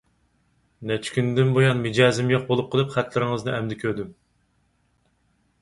نەچچە كۈندىن بۇيان مىجەزىم يوق بولۇپ قېلىپ خەتلىرىڭىزنى ئەمدى كۆردۈم.